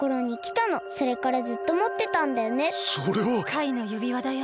カイのゆびわだよ。